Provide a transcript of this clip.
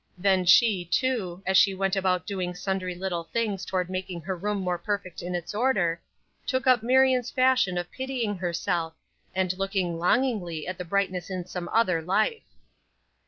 Then she, too, as she went about doing sundry little things toward making her room more perfect in its order, took up Marion's fashion of pitying herself, and looking longingly at the brightness in some other life.